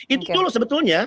itu dulu sebetulnya